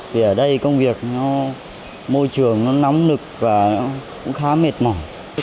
vì ở đây công việc môi trường nó nóng lực và cũng khá mệt mỏi